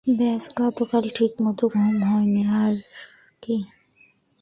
ব্যাস গতরাতে ঠিকমত ঘুম হয়নি আরকি।